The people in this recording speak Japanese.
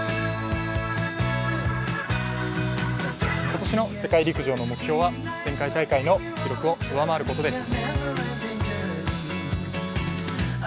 今年の世界陸上の目標は前回大会の記録を上回ることです。